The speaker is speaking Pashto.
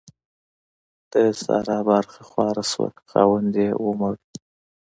د سارا برخه خواره شوه؛ خاوند يې ومړ.